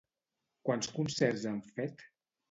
Quants concerts han fet?